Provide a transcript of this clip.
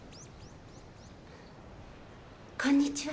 こんにちは。